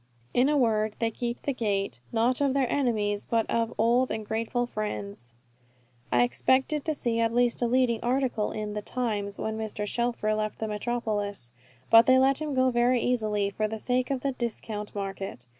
In a word, they keep the gate, not of their enemies, but of old and grateful friends. I expected to see at least a leading article in the "Times," when Mr. Shelfer left the metropolis; but they let him go very easily for the sake of the discount market.